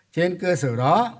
trên cơ sở đó